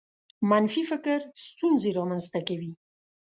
منفي فکر ستونزې رامنځته کوي.